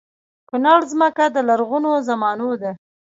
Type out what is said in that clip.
کونړ ځمکه د لرغونو زمانو ده